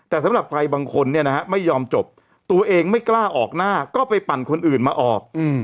แต่สำหรับใครบางคนเนี่ยนะฮะไม่ยอมจบตัวเองไม่กล้าออกหน้าก็ไปปั่นคนอื่นมาออก